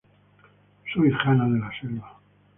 Soy Jana de la selva".